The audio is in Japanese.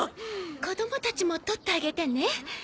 子どもたちも撮ってあげてね。